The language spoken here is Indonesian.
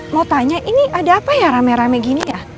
mau tanya ini ada apa ya rame rame gini ya